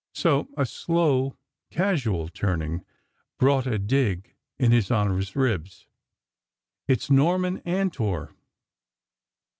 So a slow casual turning brought a dig in His Honor's ribs: "It's Norman Antor!"